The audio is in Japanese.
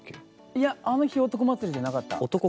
いやあの日「男祭り」じゃなかった。